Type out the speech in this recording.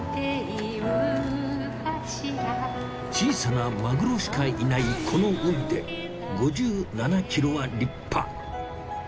小さなマグロしかいない今年の大間で５７ｋｇは立派。